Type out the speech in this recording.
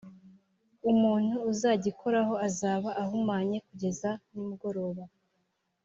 umuntu uzagikoraho azaba ahumanye kugeza nimugoroba